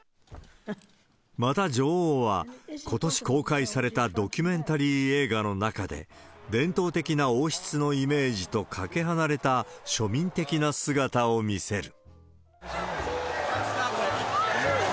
また女王は、ことし公開されたドキュメンタリー映画の中で、伝統的な王室のイメージとかけ離れた、庶民的な姿を見せる。